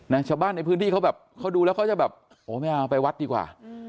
ชาวบ้านในพื้นที่เขาแบบเขาดูแล้วเขาจะแบบโอ้ไม่เอาไปวัดดีกว่า